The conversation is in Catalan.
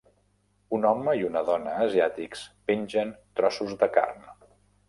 Un home i una dona asiàtics pengen trossos de carn.